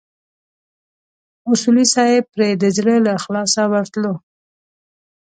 اصولي صیب پرې د زړه له اخلاصه ورتلو.